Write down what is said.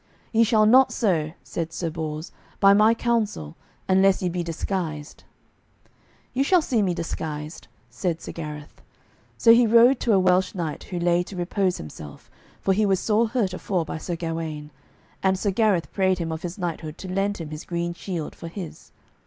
"Ye shall not so," said Sir Bors, "by my counsel, unless ye be disguised." "Ye shall see me disguised," said Sir Gareth. So he rode to a Welsh knight who lay to repose himself, for he was sore hurt afore by Sir Gawaine, and Sir Gareth prayed him of his knighthood to lend him his green shield for his.